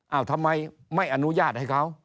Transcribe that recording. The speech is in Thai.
ทำไมไม่อนุญาตให้เขา